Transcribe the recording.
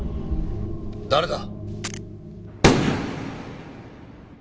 誰だ？